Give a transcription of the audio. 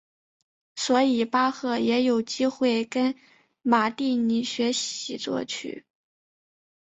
所以巴赫也有机会跟马蒂尼学习作曲。